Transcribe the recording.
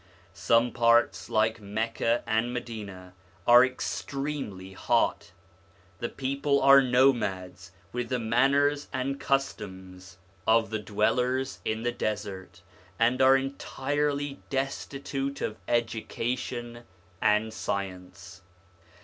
Some parts, like Mecca and Madina, are extremely hot ; the people are nomads with the manners and customs of the dwellers in the desert, and are entirely destitute of education and science.